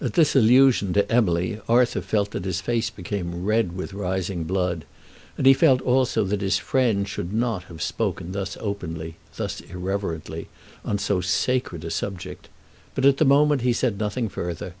At this allusion to Emily Arthur felt that his face became red with the rising blood; and he felt also that his friend should not have spoken thus openly, thus irreverently, on so sacred a subject. But at the moment he said nothing further.